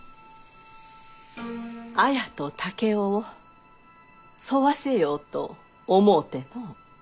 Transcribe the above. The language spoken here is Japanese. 綾と竹雄を添わせようと思うてのう。